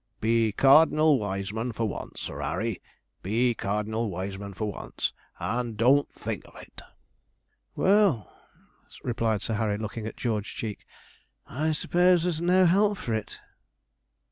Be Cardinal Wiseman, for once. Sir 'Arry; be Cardinal Wiseman for once, and don't think of it.' 'Well,' replied Sir Harry, looking at George Cheek, 'I suppose there's no help for it.'